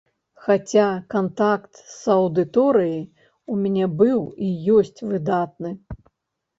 Хаця, кантакт з аўдыторыяй у мяне быў і ёсць выдатны.